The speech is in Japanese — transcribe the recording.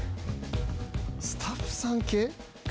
スタッフさん系？